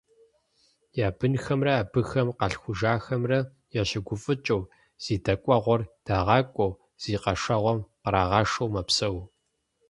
Я бынхэмрэ абыхэм къалъхужахэмрэ ящыгуфӀыкӀыу, зи дэкӀуэгъуэр дагъакӀуэу, зи къэшэгъуэм кърагъашэу мэпсэу.